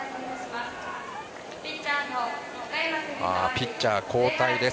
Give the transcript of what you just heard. ピッチャー交代です。